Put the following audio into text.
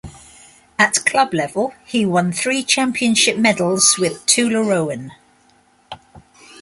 At club level he won three championship medals with Tullaroan.